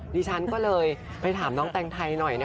ดิฉันก็เลยไปถามน้องแตงไทยหน่อยนะคะ